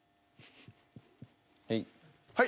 はい。